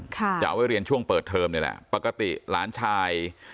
จะเอาไว้เรียนช่วงเปิดเทอมนี่แหละปกติหลานชาย